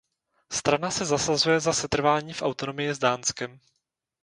Strana se zasazuje za setrvání v autonomii s Dánskem.